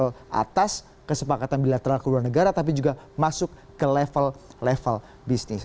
ini berarti kesepakatan tidak hanya ada di level atas kesepakatan bilateral ke luar negara tapi juga masuk ke level level bisnis